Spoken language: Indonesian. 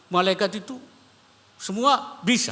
malaikat itu semua bisa